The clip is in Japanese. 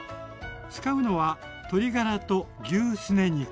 使うのは鶏ガラと牛すね肉。